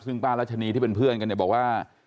ซึ่งป้ารัชนีที่เป็นเพื่อนกันเนี่ยบอกว่า